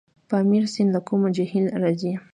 پامیر سیند له کوم جهیل راځي؟